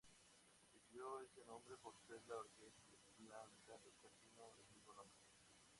Recibió ese nombre por ser la orquesta de planta del casino del mismo nombre.